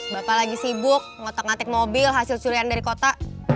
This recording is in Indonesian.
bapak lagi sibuk ngotak ngatik mobil hasil curian dari kota